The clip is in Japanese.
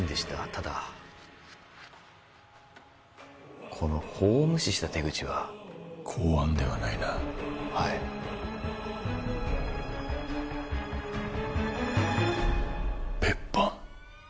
ただこの法を無視した手口は公安ではないなはい別班？